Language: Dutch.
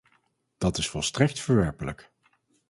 Dat is volstrekt verwerpelijk.